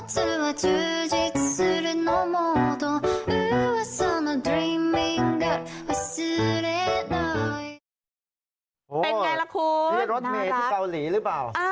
เสียสายนี่รถเมฆที่เกาหลีหรือเปล่า